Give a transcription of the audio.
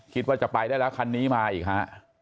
คิดว่าจะไปได้แล้วคันนี้มาอีกฮะ